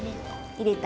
入れたい。